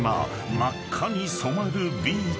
真っ赤に染まるビーチ］